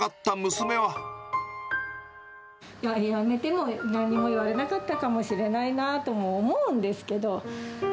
辞めても、なんにも言われなかったかもしれないなとも思うんですけど。